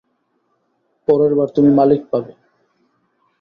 পরের বার তুমি মালিক পাবে।